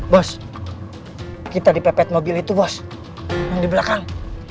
bos kita dipepet mobil itu bos yang di belakang